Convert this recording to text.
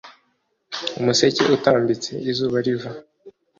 Umuseke utambitse utambitse izuba riva